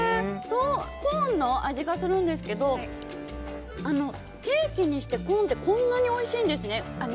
コーンの味がするんですけどケーキにしてコーンってこんなにおいしいんですね。